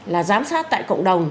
là giám sát tại cộng đồng